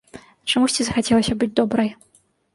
Чамусьці захацелася быць добрай.